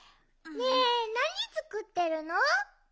ねえなにつくってるの？